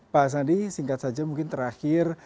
pak sandi singkat saja mungkin terakhir